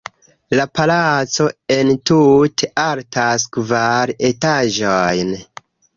La palaco entute altas kvar etaĝojn.